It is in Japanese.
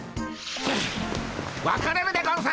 分かれるでゴンス！